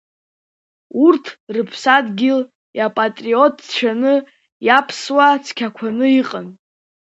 Урҭ рыԥсадгьыл иапатриотцәаны иаԥсуа цқьақәаны иҟан.